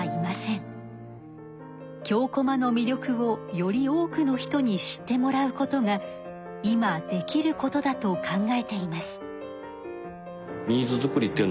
京こまのみりょくをより多くの人に知ってもらうことが今できることだと考えています。